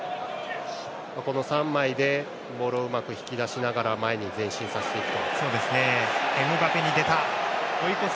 この３枚でボールをうまく引き出しながら前に前進させていくと。